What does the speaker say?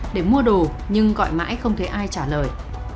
để mua đồ nhưng gọi mãi không thấy ai trả lời